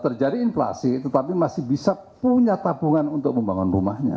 terjadi inflasi tetapi masih bisa punya tabungan untuk membangun rumahnya